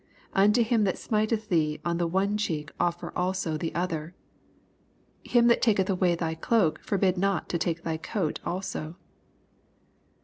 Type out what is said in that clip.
" Unto him that smiteth thee on the one cheek offer also the other." — "Him that taketh away thy cloak forbid not to take thy coat also."